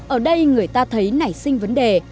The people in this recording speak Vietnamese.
ở đây người ta thấy nảy sinh vấn đề